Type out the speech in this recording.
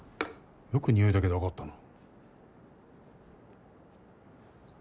よくにおいだけで分かったな。